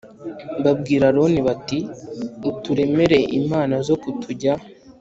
babwira Aroni bati Uturemere imana zo kutujya